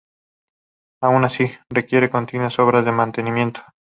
Aun así, requiere continuas obras de mantenimiento.